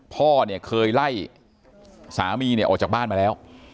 พ่อเนี่ยเคยไล่สามีเนี่ยออกจากบ้านมาแล้ว